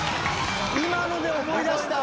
今ので思い出した。